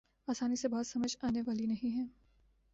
آسانی سے بات سمجھ آنے والی نہیں ہے۔